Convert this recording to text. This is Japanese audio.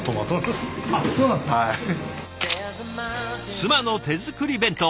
妻の手作り弁当。